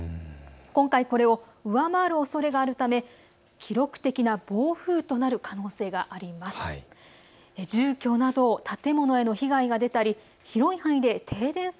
今回、これを上回るおそれがあるため記録的な暴風となる可能性があります。